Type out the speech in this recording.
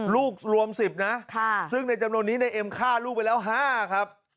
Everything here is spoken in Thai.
รวม๑๐นะซึ่งในจำนวนนี้ในเอ็มฆ่าลูกไปแล้ว๕ครับ